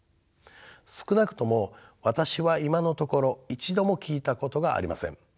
少なくとも私は今のところ一度も聞いたことがありません。